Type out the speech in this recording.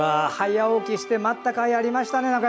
早起きして待ったかいがありましたね。